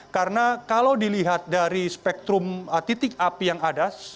karena kalau dilihat dari spektrum titik api yang ada